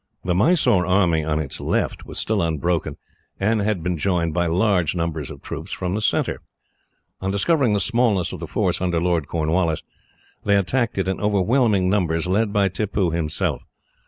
The Mysore army on its left was still unbroken, and had been joined by large numbers of troops from the centre. On discovering the smallness of the force under Lord Cornwallis, they attacked it in overwhelming numbers, led by Tippoo himself.